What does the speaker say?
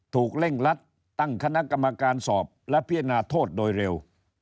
เร่งรัดตั้งคณะกรรมการสอบและพิจารณาโทษโดยเร็ว